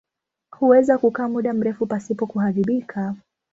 Huweza kukaa muda mrefu pasipo kuharibika.